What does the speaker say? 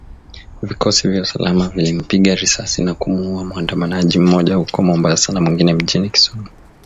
Vikosi vya usalama vilimpiga risasi na kumuuwa muandamanaji mmoja huko mombasa na mwingine mjini Kisumu.